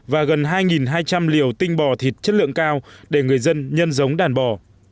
và gần hai hai trăm linh liều tinh bò thịt chất lượng cao để người dân nhân giống đàn bò